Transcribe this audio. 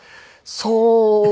そう。